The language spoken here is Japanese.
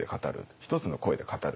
一つの声で語る。